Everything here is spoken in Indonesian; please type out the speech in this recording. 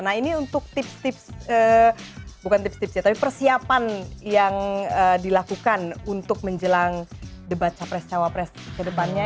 nah ini untuk tips tips bukan tips tips ya tapi persiapan yang dilakukan untuk menjelang debat capres cawapres ke depannya